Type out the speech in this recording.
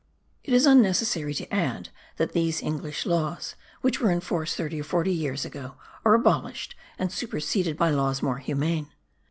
It is unnecessary to add that these English laws, which were in force thirty or forty years ago, are abolished and superseded by laws more humane.